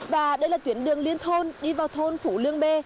và đây là tuyến đường liên thôn đi vào thôn phủ lương bê